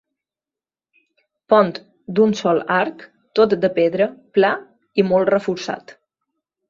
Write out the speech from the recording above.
Pont d'un sol arc, tot de pedra, pla i molt reforçat.